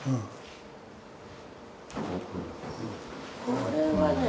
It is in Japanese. これはね